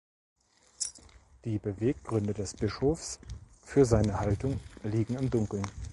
Die Beweggründe des Bischofs für seine Haltung liegen im Dunkeln.